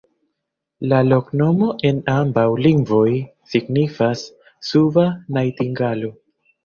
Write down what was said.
La loknomo en ambaŭ lingvoj signifas: suba najtingalo.